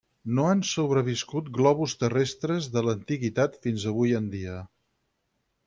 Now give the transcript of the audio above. No han sobreviscut globus terrestres de l'Antiguitat fins avui en dia.